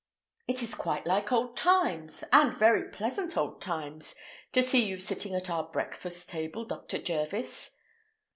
"It is quite like old times—and very pleasant old times, too—to see you sitting at our breakfast table, Dr. Jervis."